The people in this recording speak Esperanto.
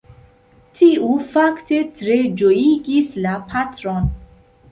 Tio fakte tre ĝojigis la patron.